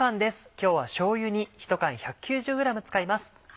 今日はしょうゆ煮１缶１９０ｇ使います。